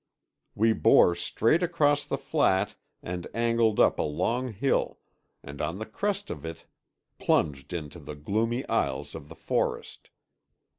We bore straight across the flat and angled up a long hill, and on the crest of it plunged into the gloomy aisles of the forest.